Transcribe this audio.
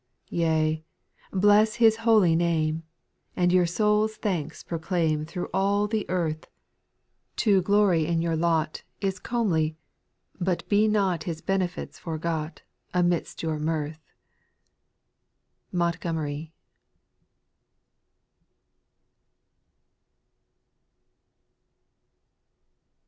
7. Yea, bless His holy name, And your souPs thanks proclaim Through all the earth.. 266 SPIRITUAL SONGS. To glory in your lot Is comely ; but be not His benefits forgot, Amidst your mirtb. MONTGOMBBT.